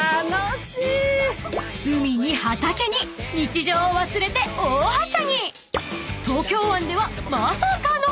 ［海に畑に日常を忘れて大はしゃぎ！］